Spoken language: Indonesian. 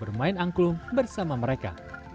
bermain angklung bersama mereka